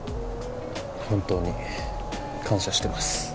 本当に感謝してます